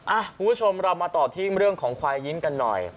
คุณผู้ชมเรามาต่อที่เรื่องของควายยิ้มกันหน่อย